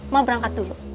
mau berangkat dulu